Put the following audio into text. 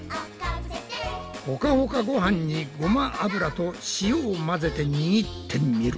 ホカホカごはんにごま油と塩を混ぜてにぎってみる。